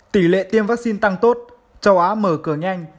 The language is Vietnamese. tỷ lệ tiêm vaccine tăng tốt châu á mở cửa nhanh